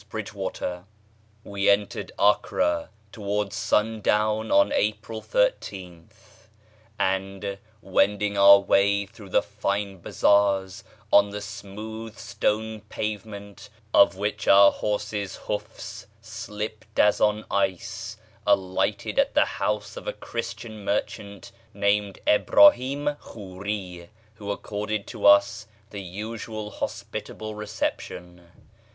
[page xxxi] We entered Acre towards sun down on April 13th, and, wending our way through the fine bazaars, on the smooth stone pavement of which our horses' hoofs slipped as on ice, alighted at the house of a Christian merchant named Ibrahím Khúrí, who accorded to us the usual hospitable reception.